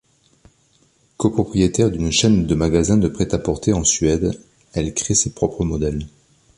Copropriétaire d'une chaîne de magasins de prêt-à-porter en Suède, elle crée ses propres modèles.